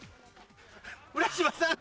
浦島さん。